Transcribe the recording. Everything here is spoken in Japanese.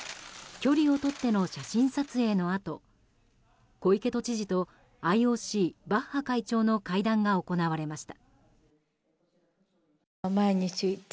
距離をとっての写真撮影のあと小池都知事とＩＯＣ、バッハ会長の会談が行われました。